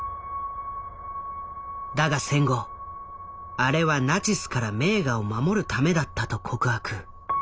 だが戦後「あれはナチスから名画を守るためだった」と告白。